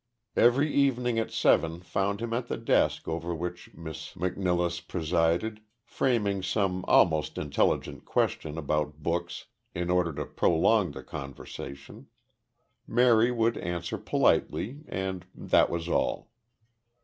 Every evening at seven found him at the desk over which Miss McNilless presided, framing some almost intelligent question about books in order to prolong the conversation. Mary would answer politely and that was all.